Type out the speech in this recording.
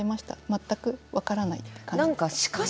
全く分からない感じですか？